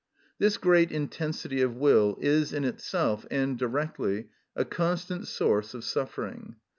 This great intensity of will is in itself and directly a constant source of suffering.